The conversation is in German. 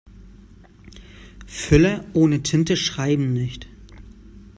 Füller ohne Tinte schreiben nicht.